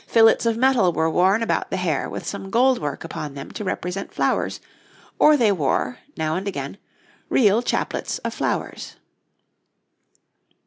Fillets of metal were worn about the hair with some gold work upon them to represent flowers; or they wore, now and again, real chaplets of flowers.